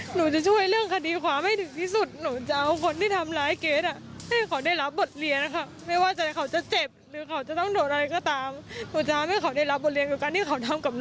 หนูจะเอาให้เขาได้รับบทเรียนกับการที่เขาทำกับน้องหนูแบบนี้ค่ะ